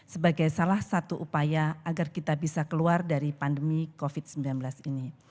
sebagai salah satu upaya agar kita bisa keluar dari pandemi covid sembilan belas ini